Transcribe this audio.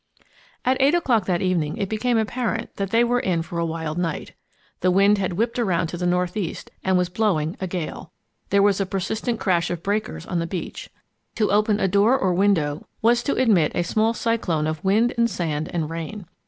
At eight o'clock that evening it became apparent that they were in for a wild night. The wind had whipped around to the northeast and was blowing a gale. There was a persistent crash of breakers on the beach. To open a door or window was to admit a small cyclone of wind and sand and rain.